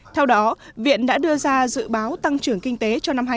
theo đó viện đã đưa ra dự báo tăng trưởng kinh tế cho năm hai nghìn một mươi tám